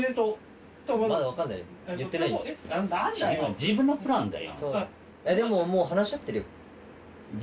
自分のプランだよ。